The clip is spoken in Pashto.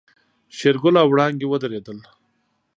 شېرګل او وړانګې ودرېدل.